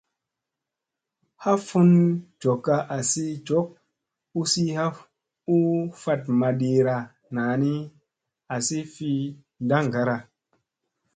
Ha fun jokka azi jok uzi ha u fat maɗira naa ni, azi fi ndaŋgara.